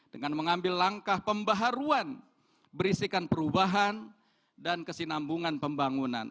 dengan mengambil langkah pembaharuan berisikan perubahan dan kesinambungan pembangunan